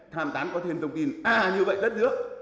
tham tán có thêm thông tin à như vậy đất nước